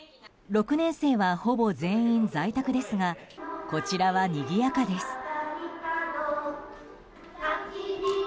６年生は、ほぼ全員在宅ですがこちらはにぎやかです。